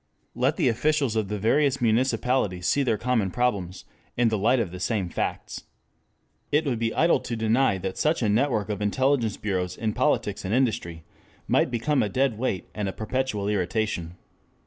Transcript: Let the officials of the various municipalities see their common problems in the light of the same facts. 8 It would be idle to deny that such a net work of intelligence bureaus in politics and industry might become a dead weight and a perpetual irritation.